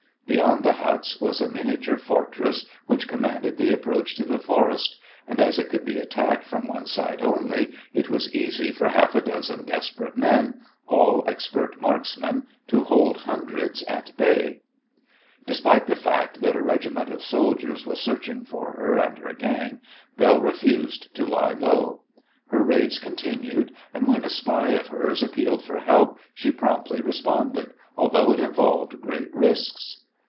Beyond the huts was a miniature fortress which commanded the approach to the forest, and, as it could be attacked from one side only, it was easy for half a dozen desperate men, all expert marksmen, to hold hundreds at bay. Despite the fact that a regiment of soldiers was searching for her and her gang, Belle refused to lie low. Her raids continued, and when a spy of hers appealed for help she promptly responded, although it involved great risks.